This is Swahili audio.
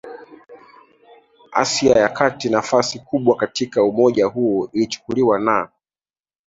Asia ya Kati Nafasi kubwa katika umoja huo ilichukuliwa na